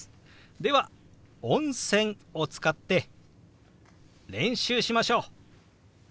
では「温泉」を使って練習しましょう。